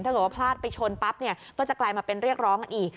ถ้าเกิดว่าพลาดไปชนปั๊บก็จะกลายมาเป็นเรียกร้องอีก